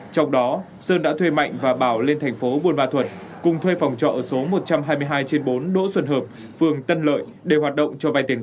trong đó sơn đã thuê mạnh và bảo lên thành phố buôn ma thuật cùng thuê phòng trọ số một trăm hai mươi hai trên bốn đỗ xuân hợp phường tân lợi để hoạt động cho vai tiền